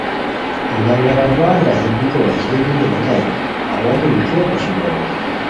لنگر آباد راہی بیکو وشلی دی ریتائے اوا دی میکیو پوشی گوم